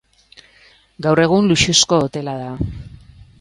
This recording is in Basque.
Gaur egun luxuzko hotela da.